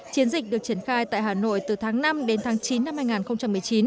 chiến dịch được triển khai tại hà nội từ tháng năm đến tháng chín năm hai nghìn một mươi chín